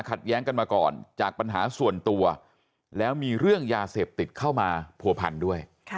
แย้งกันมาก่อนจากปัญหาส่วนตัวแล้วมีเรื่องยาเสพติดเข้ามาผัวพันด้วย